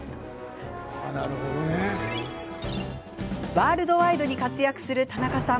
ワールドワイドに活躍する田中さん。